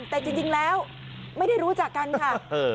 แต่จริงแล้วไม่ได้รู้จักกันค่ะ